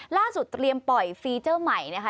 เตรียมปล่อยฟีเจอร์ใหม่นะคะ